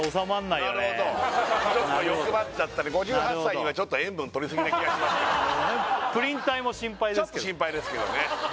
なるほどちょっと欲張っちゃったり５８歳にはちょっと塩分とりすぎな気がしますけどプリン体も心配ですけどちょっと心配ですけどね